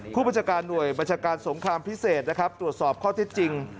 ผู้บัจจาการหน่วยบัจจาการสงครามพิเศษตรวจสอบข้อที่จริง